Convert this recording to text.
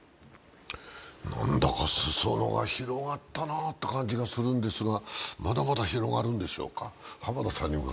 何だか裾野が広がったなという感じがするんですがまだまだ広がるんでしょうか。